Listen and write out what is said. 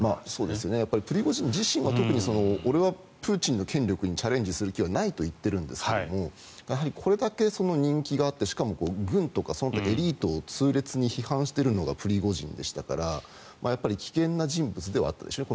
プリゴジン自身は特に俺はプーチンの権力にチャレンジする気はないと言っているんですがこれだけ人気があってしかも軍とかエリートを痛烈に批判しているのがプリゴジンでしたから危険な人物ではあったでしょうね。